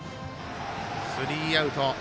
スリーアウト。